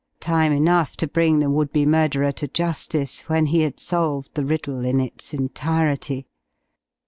Time enough to bring the would be murderer to justice when he had solved the riddle in its entirety.